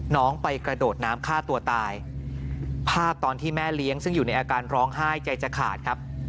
น้องไปกระโดดน้ำฆ่าตัวตายภาพตอนที่แม่เลี้ยงซึ่งอยู่ในอาการร้องไห้ใจจะขาดครับ